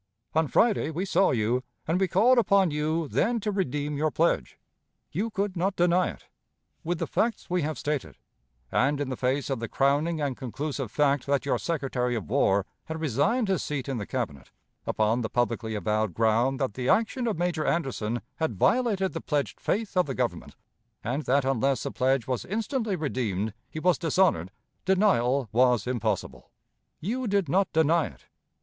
On Friday we saw you, and we called upon you then to redeem your pledge. You could not deny it. With the facts we have stated, and in the face of the crowning and conclusive fact that your Secretary of War had resigned his seat in the Cabinet, upon the publicly avowed ground that the action of Major Anderson had violated the pledged faith of the Government, and that unless the pledge was instantly redeemed he was dishonored, denial was impossible; you did not deny it.